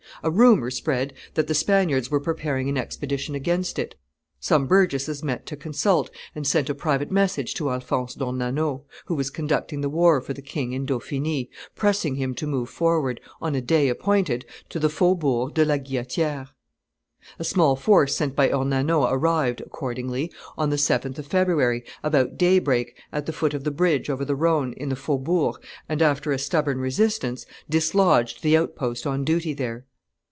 A rumor spread that the Spaniards were preparing an expedition against it; some burgesses met to consult, and sent a private message to Alphonse d'Ornano, who was conducting the war for the king in Dauphiny, pressing him to move forward, on a day appointed, to the faubourg de la Guillotiere. A small force sent by Ornano arrived, accordingly, on the 7th of February, about daybreak, at the foot of the bridge over the Rhone, in the faubourg, and, after a stubborn resistance, dislodged the outpost on duty there.